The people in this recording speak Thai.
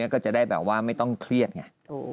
ก็จะได้แบบว่าไม่ต้องเครียดไง